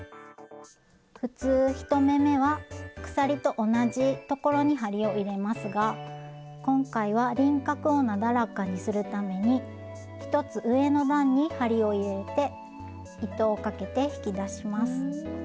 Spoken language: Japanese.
普通１目めは鎖と同じところに針を入れますが今回は輪郭をなだらかにするために１つ上の段に針を入れて糸をかけて引き出します。